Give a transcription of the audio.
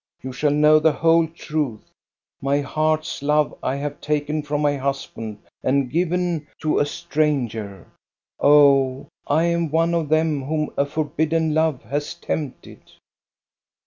You shall know the whole truth. My heart's love I have taken from my husband and given 272 THE STORY OF GOSTA BERLING to a stranger. Oh, I am one of them whom a for bidden love has tempted.